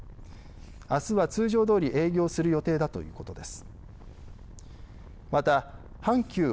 あすは通常どおり営業する予定だということです。